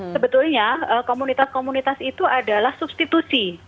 sebetulnya komunitas komunitas itu adalah substitusi